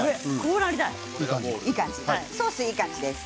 ソース、いい感じです。